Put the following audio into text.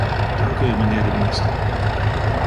Dank u, mijnheer de minister.